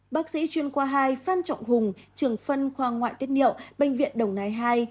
bác sĩ chuyên khoa hai phan trọng hùng trường phân khoa ngoại tiết niệm bệnh viện đồng nai hai